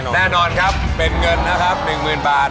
แน่นอนครับเป็นเงินนะครับ๑๐๐๐บาท